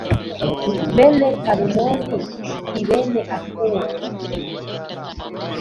Bene talumoni i bene akubu